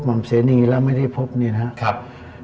อมเสนีแล้วไม่ได้พบเนี่ยนะครับ